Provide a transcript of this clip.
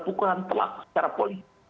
pukulan telak secara politik